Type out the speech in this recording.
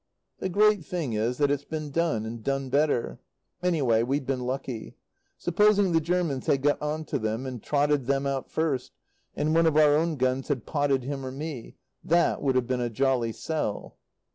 The great thing is that it's been done, and done better. Anyway we've been lucky. Supposing the Germans had got on to them, and trotted them out first, and one of our own guns had potted him or me, that would have been a jolly sell.